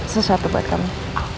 sesuatu buat kamu